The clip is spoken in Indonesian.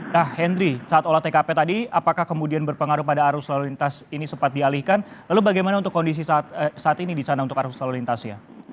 nah hendry saat olah tkp tadi apakah kemudian berpengaruh pada arus lalu lintas ini sempat dialihkan lalu bagaimana untuk kondisi saat ini di sana untuk arus lalu lintasnya